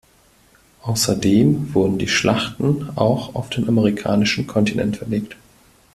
Außerdem wurden die Schlachten auch auf den amerikanischen Kontinent verlegt.